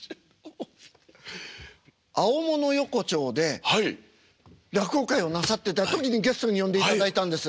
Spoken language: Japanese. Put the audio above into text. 青物横丁で落語会をなさってた時にゲストに呼んでいただいたんです。